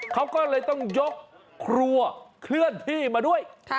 เขาก็เลยต้องยกครัวเคลื่อนที่มาด้วย